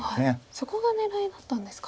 そこが狙いだったんですか。